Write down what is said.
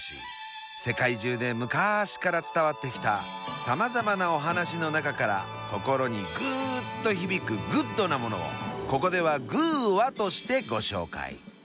世界中でむかしから伝わってきたさまざまなお話の中から心にグーッと響くグッドなものをここでは「グぅ！話」としてご紹介。